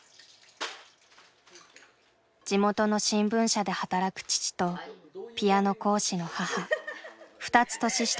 地元の新聞社で働く父とピアノ講師の母２つ年下の妹がいる。